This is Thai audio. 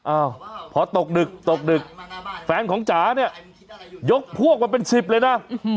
อ้าวพอตกดึกตกดึกแฟนของจ๋าเนี่ยยกพวกมาเป็นสิบเลยนะ